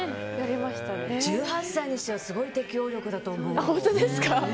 １８歳にしてはすごい適応力だと思う。